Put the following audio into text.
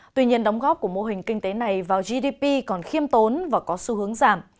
tuy nhiên đóng góp của mô hình kinh tế này vào gdp còn khiêm tốn và có xu hướng giảm